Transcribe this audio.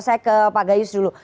saya ke pak gayus dulu